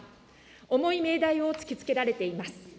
重い命題を突きつけられています。